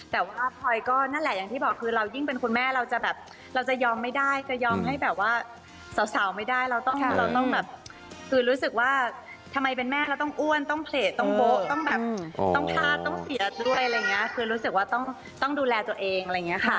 แต่ว่าพลอยก็นั่นแหละอย่างที่บอกคือเรายิ่งเป็นคุณแม่เราจะแบบเราจะยอมไม่ได้จะยอมให้แบบว่าสาวไม่ได้เราต้องเราต้องแบบคือรู้สึกว่าทำไมเป็นแม่เราต้องอ้วนต้องเพลตต้องโบ๊ะต้องแบบต้องพลาดต้องเสียด้วยอะไรอย่างเงี้ยคือรู้สึกว่าต้องต้องดูแลตัวเองอะไรอย่างเงี้ยค่ะ